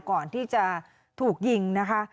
ก่อนที่จะถูกยิงนะคะ